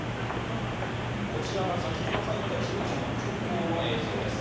こちらが先ほど入ったジブチの空港の映像です。